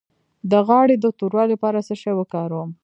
د غاړې د توروالي لپاره څه شی وکاروم؟